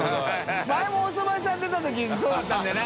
阿おそば屋さん出たときにそうだったんだよな？